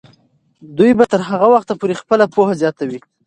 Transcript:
دوی به تر هغه وخته پورې خپله پوهه زیاتوي.